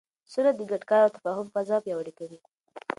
سوله د ګډ کار او تفاهم فضا پیاوړې کوي.